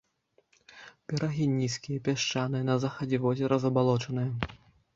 Берагі нізкія, пясчаныя, на захадзе возера забалочаныя.